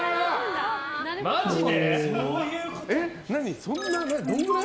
マジで？